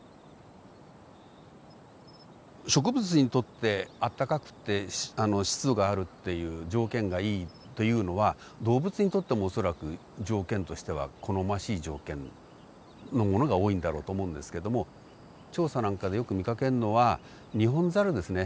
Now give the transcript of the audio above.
植物にとってあったかくて湿度があるっていう条件がいいというのは動物にとっても恐らく条件としては好ましい条件のものが多いんだろうと思うんですけども調査なんかでよく見かけるのはニホンザルですね。